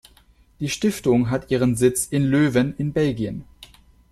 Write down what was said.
Die Stiftung hat ihren Sitz in Löwen in Belgien.